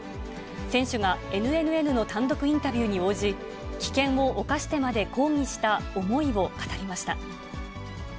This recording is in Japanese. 選手がＮＮＮの単独インタビューに応じ、危険を冒してまで抗議した思いを語りました。